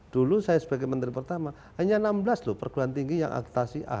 dulu saya sebagai menteri pertama hanya enam belas loh perguruan tinggi yang akreditasi a